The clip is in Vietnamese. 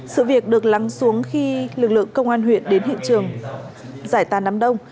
sự việc được lắng xuống khi lực lượng công an huyện đến hiện trường giải tàn đám đông